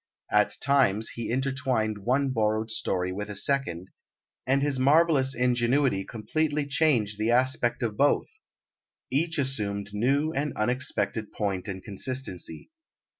At times he intertwined one borrowed story with a second, and his marvellous ingenuity completely changed the aspect of both; each assumed new and unexpected point and consistency.